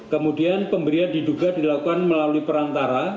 kemudian pemberian diduga dilakukan melalui perantara